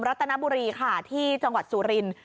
ัตนบุรีค่ะที่จังหวัดสุรินทร์